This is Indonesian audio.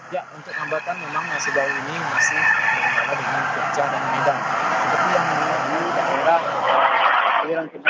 ya untuk hambatan memang masih baru ini